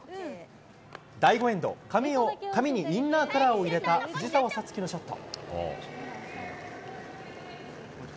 第５エンド、髪にインナーカラーを入れた藤澤五月のショット。